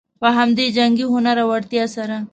په همدې جنګي هنر او وړتیا سره.